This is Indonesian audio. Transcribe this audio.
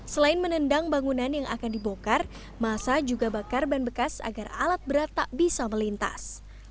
selain menendang bangunan yang akan dibongkar masa juga bakar ban bekas agar alat berat tak bisa melintas